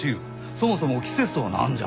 そもそも季節とは何じゃ？